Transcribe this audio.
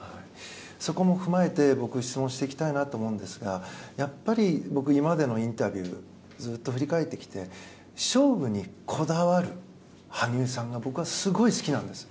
そこも踏まえて僕、質問していきたいんですがやっぱり今までのインタビューをずっと振り返ってきて勝負にこだわる羽生さんが僕はすごい好きなんです。